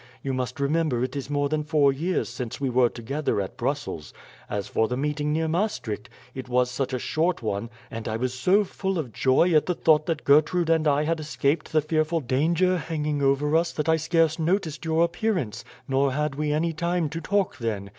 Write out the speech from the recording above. You must remember it is more than four years since we were together at Brussels. As for the meeting near Maastricht, it was such a short one; and I was so full of joy at the thought that Gertrude and I had escaped the fearful danger hanging over us that I scarce noticed your appearance, nor had we any time to talk then.